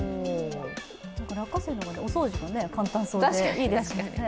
落花生だとお掃除が簡単そうで。